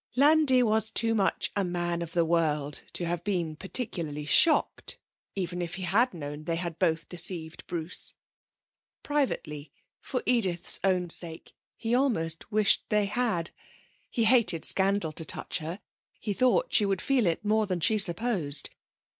Landi was too much of a man of the world to have been particularly shocked, even if he had known they had both deceived Bruce. Privately, for Edith's own sake he almost wished they had. He hated scandal to touch her; he thought she would feel it more than she supposed.